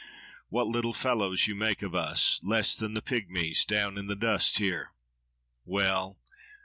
—What little fellows you make of us—less than the pygmies—down in the dust here. Well!